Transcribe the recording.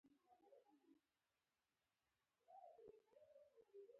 تر هغه وروسته ټوله ورځ دیني ځایونه لیدل.